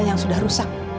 yang sudah rusak